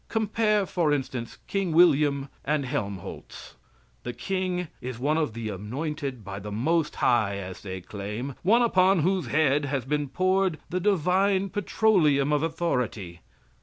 Compare, for instance, King William and Helmholtz. The king is one of the anointed by the Most High, as they claim one upon whose head has been poured the divine petroleum of authority.